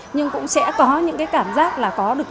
nhưng cũng sẽ có những cái cảm giác là có được